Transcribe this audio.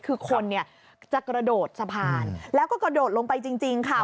คือคนเนี่ยจะกระโดดสะพานแล้วก็กระโดดลงไปจริงค่ะ